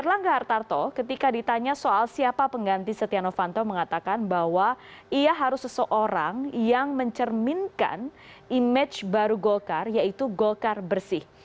erlangga hartarto ketika ditanya soal siapa pengganti setia novanto mengatakan bahwa ia harus seseorang yang mencerminkan image baru golkar yaitu golkar bersih